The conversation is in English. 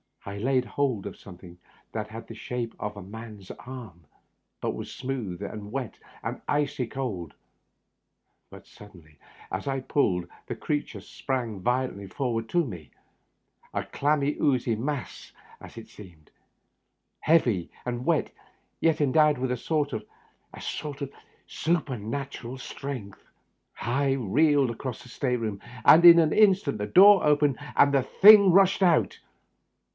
I laid hold of something that had the shape of a man's arm, but was smooth, and wet, and icy cold. But suddenly, as I pulled, the creature sprang violently forward against me, a clammy, oozy mass, as it seemed to me, heavy and wet, yet endowed with a sort of super natural strength. I reeled across the state room, and in an instant the door opened and the thing rushed out.